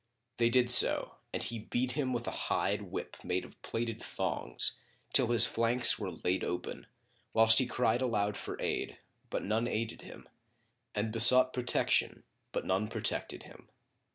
They did so, and he beat him with a hide whip of plaited thongs[FN#27] till his flanks were laid open, whilst he cried aloud for aid but none aided him, and besought protection, but none protected him.